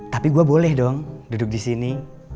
tapi gue boleh dong duduk di sini